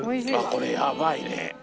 これやばいね。